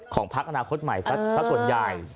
พักอนาคตใหม่สักส่วนใหญ่